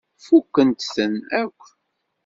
Fukkent-ten akk.